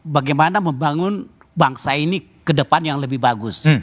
bagaimana membangun bangsa ini ke depan yang lebih bagus